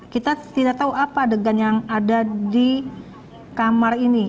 kita tidak tahu apa adegan yang ada di kamar ini